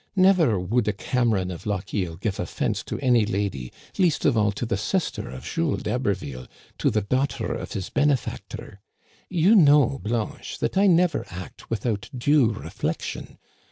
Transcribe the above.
Never would a Cameron of Lochiel give offense to any lady, least of all to the sister of Jules d'Haberville, to the daughter of his benefactor. You know, Blanche, that I never act with out due reflection.